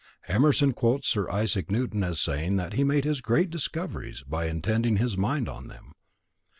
Emerson quotes Sir Isaac Newton as saying that he made his great discoveries by intending his mind on them.